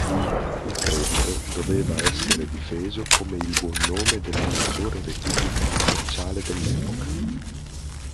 Il credito doveva essere difeso come il buon nome della maggiore repubblica commerciale dell'epoca.